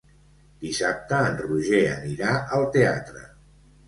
Dissabte en Roger anirà al teatre.